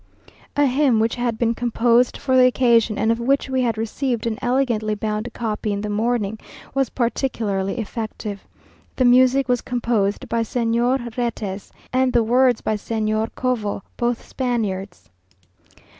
A hymn, which had been composed for the occasion, and of which we had received an elegantly bound copy in the morning, was particularly effective. The music was composed by Señor Retes, and the words by Señor Covo, both Spaniards.